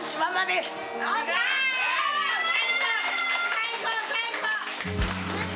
最高最高！